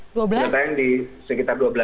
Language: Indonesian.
sudah tayang di sekitar dua belas negara